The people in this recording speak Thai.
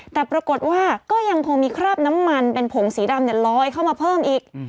แต่ปรากฏว่าก็ยังคงมีคราบน้ำมันเป็นผงสีดำลอยเข้ามาเพิ่มอีก